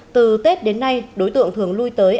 từ tết đến nay đối tượng thường lui tới